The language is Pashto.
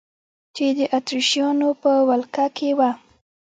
چې د اتریشیانو په ولقه کې وه.